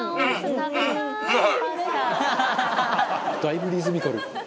中丸：だいぶリズミカル。